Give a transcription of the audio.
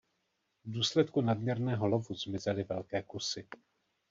V důsledku nadměrného lovu zmizely velké kusy.